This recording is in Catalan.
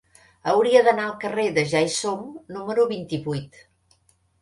Hauria d'anar al carrer de Ja-hi-som número vint-i-vuit.